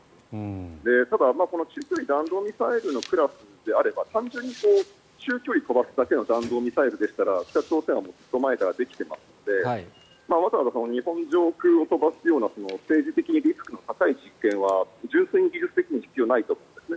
ただ、この中距離弾道ミサイルクラスであれば単純に中距離飛ばすだけの弾道ミサイルでしたら北朝鮮はずっと前からできていますのでわざわざ日本上空を飛ばすような政治的リスクの高い実験は純粋に技術的に必要ないと。